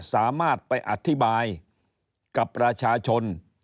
สามารถไปอธิบายกับประชาชน